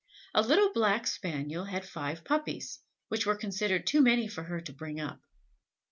A little black spaniel had five puppies, which were considered too many for her to bring up.